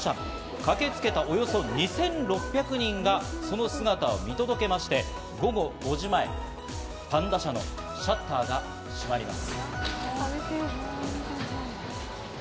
駆けつけた、およそ２６００人がその姿を見届けまして、午後５時前、パンダ舎のシャッターが閉まります。